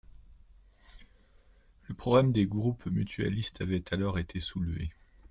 Le problème des groupes mutualistes avait alors été soulevé.